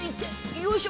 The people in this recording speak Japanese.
よいしょ！